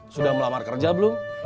sudah melamar kerja belum